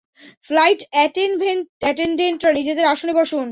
Flight অ্যাটেনডেন্টরা, নিজেদের আসনে বসুন।